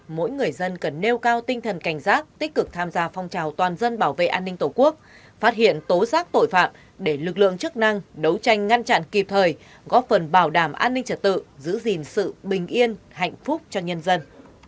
mỗi người dân cần nêu cao tinh thần cảnh giác tích cực tham gia phong trào toàn dân bảo vệ an ninh tổ quốc phát hiện tố xác tội phạm để lực lượng chức năng đấu tranh ngăn chặn kịp thời góp phần bảo đảm an ninh trật tự giữ gìn sự bình yên hạnh phúc cho nhân dân